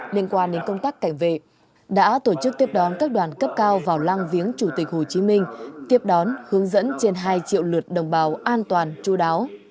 liên quan đến công tác cảnh vệ đã tổ chức tiếp đón các đoàn cấp cao vào lăng viếng chủ tịch hồ chí minh tiếp đón hướng dẫn trên hai triệu lượt đồng bào an toàn chú đáo